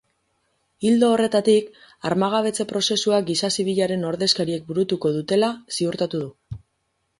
Ildo horretatik, armagabetze prozesua giza zibilaren ordezkariek burutuko dutela ziurtatu du.